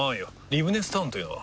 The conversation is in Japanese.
リブネスタウンというのは？